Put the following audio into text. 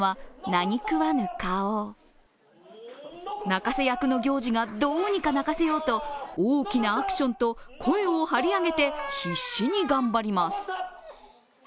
泣かせ役の行司がどうにか泣かせようと大きなアクションと声を張り上げて必死に頑張ります。